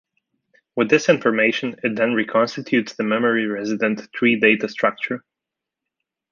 With this information it then reconstitutes the memory-resident tree data structure.